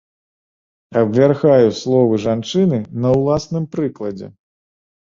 Абвяргаю словы жанчыны на ўласным прыкладзе.